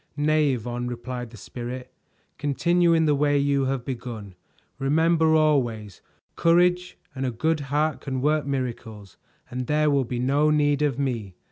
"Nay, Yvonne," replied the Spirit. "Continue in the way you have begun; remember always, courage and a good heart can work miracles and there will be no need of me.